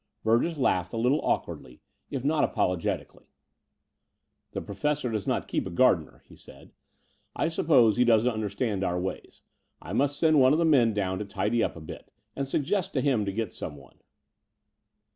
Burgess laughed a little awkwardly, if not apologetically. *'The Professor does not keep a gardener," he said. I suppose he doesn't understand our ways. I must send one of the men down to tidy up a bit, and suggest to him to get someone."